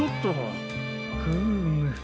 フーム。